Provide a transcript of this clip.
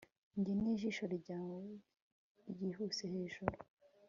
njye nijisho ryawe ryihuse hejuru